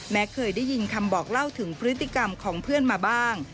เคยได้ยินคำบอกเล่าถึงพฤติกรรมของเพื่อนมาบ้าง